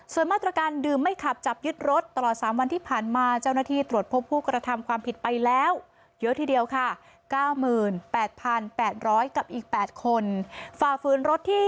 ส่วนมาตรการดื่มไม่ขับจับยึดรถตลอด๓วันที่ผ่านมาเจ้าหน้าที่ตรวจพบผู้กระทำความผิดไปแล้วเยอะทีเดียวค่ะ๙๘๘๐๐กับอีก๘คนฝ่าฝืนรถที่